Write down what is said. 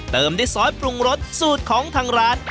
เติมด้วยซอสปรุงรสสูตรของทางร้าน